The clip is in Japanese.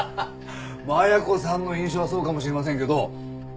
真矢子さんの印象はそうかもしれませんけど。